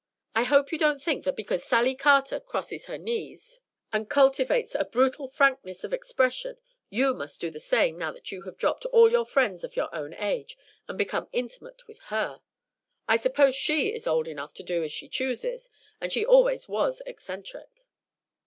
I hope you don't think that because Sally Carter crosses her knees and cultivates a brutal frankness of expression you must do the same now that you have dropped all your friends of your own age and become intimate with her. I suppose she is old enough to do as she chooses, and she always was eccentric."